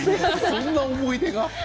そんな思い出が。